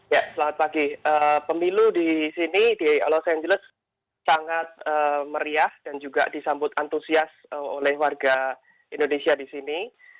ya selamat pagi pemilu di sini di los angeles sangat meriah dan juga disambut antusias oleh warga indonesia di sini